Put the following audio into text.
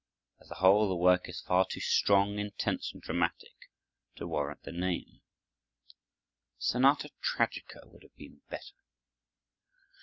As a whole the work is far too strong, intense, and dramatic to warrant the name. Sonata Tragica would have been better.